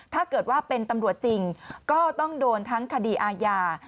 ถ้าเกิดว่าเป็นตำรวจจริงก็ต้องโดนทั้งคดีอาญา